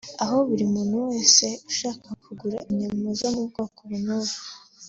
aho buri muntu wese ushaka kugura inyama zo mu bwoko ubu n’ubu